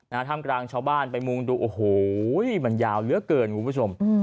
ท่ามกลางชาวบ้านไปมุงดูโอ้โหมันยาวเหลือเกินคุณผู้ชม